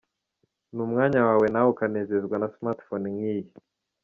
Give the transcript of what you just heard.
Ni umwanya wawe nawe ukanezezwa na smartphone nk’iyi!!.